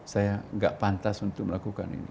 saya nggak pantas untuk melakukan ini